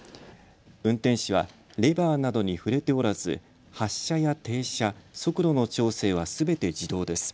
運転士はレバーなどに触れておらず発車や停車、速度の調整はすべて自動です。